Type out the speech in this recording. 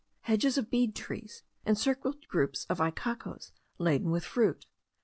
Hedges of bead trees encircled groups of icacoes laden with fruit.